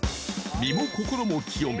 身も心も清め